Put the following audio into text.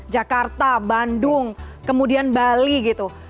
jakarta bandung kemudian bali gitu